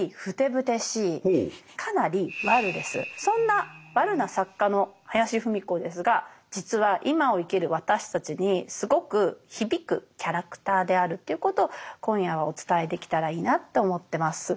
そんなワルな作家の林芙美子ですが実は今を生きる私たちにすごく響くキャラクターであるということを今夜はお伝えできたらいいなと思ってます。